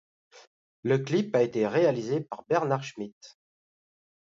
Le clip a été réalisé par Bernard Schmitt.